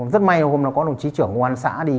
rất may hôm đó có đồng chí trưởng quán xã đi